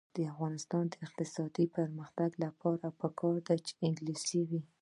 د افغانستان د اقتصادي پرمختګ لپاره پکار ده چې انګلیسي وي.